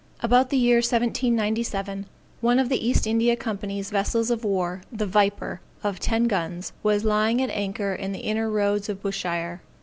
About the year 1797, one of the East India Company's vessels of war, the Viper, of ten guns, was lying at anchor in the inner roads of Bushire.